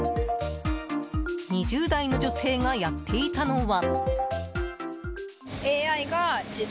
２０代の女性がやっていたのは。